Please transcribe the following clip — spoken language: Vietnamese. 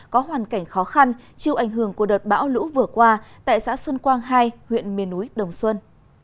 có hoàn cảnh khó khăn chiêu ảnh hưởng của đợt bão lũ vừa qua tại xã xuân quang hai huyện miên úi đồng xuân